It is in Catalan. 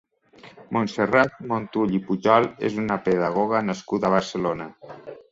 Montserrat Montull i Pujol és una pedagoga nascuda a Barcelona.